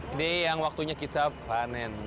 ini yang waktunya kita panen